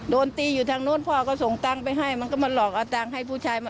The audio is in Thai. โดนตีอยู่ทางนู้นพ่อก็ส่งตังค์ไปให้มันก็มาหลอกเอาตังค์ให้ผู้ชายมา